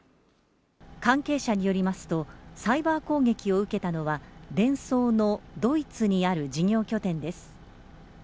関係者によりますとサイバー攻撃を受けたのはデンソーのドイツにある事業拠点です。